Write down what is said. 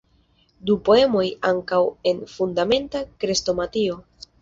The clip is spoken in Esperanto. Du poemoj ankaŭ en "Fundamenta Krestomatio".